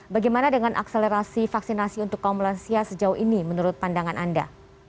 bagaimana dengan akselerasi vaksinasi untuk kaum lansia sejauh ini menurut pandangan anda